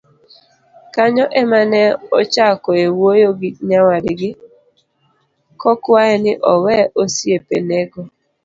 Kanyo ema ne ochakoe wuoyo gi nyawadgi, kokwaye ni owe osiepenego.